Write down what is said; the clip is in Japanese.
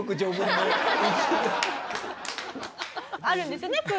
あるんですよね？